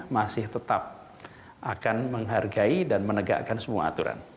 masih tetap akan menghargai dan menegakkan semua aturan